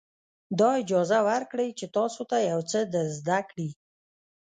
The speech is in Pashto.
دا اجازه ورکړئ چې تاسو ته یو څه در زده کړي.